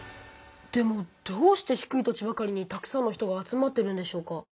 でもどうして低い土地ばかりにたくさんの人が集まってるんでしょうか？